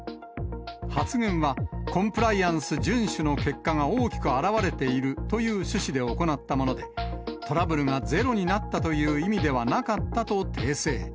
発言は、コンプライアンス順守の結果が大きく表れているという趣旨で行ったもので、トラブルがゼロになったという意味ではなかったと訂正。